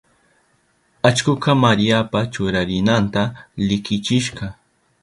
Allkuka Mariapa churarinanta likichishka.